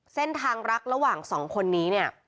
เส้นทางรักระหว่างสองคนนี้เนี่ย